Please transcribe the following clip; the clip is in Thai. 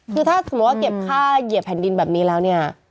คือถ้าสมมุติว่าเก็บค่าเหยียบแผ่นดินแบบนี้แล้วเนี่ย